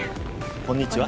こんにちは。